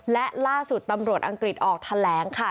และล่าสุดตำรวจอังกฤษออกแถลงค่ะ